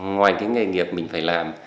ngoài cái nghề nghiệp mình phải làm